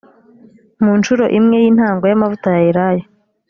mu ncuro imwe y intango y amavuta ya elayo